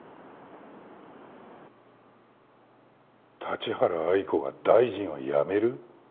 立原愛子が大臣を辞める？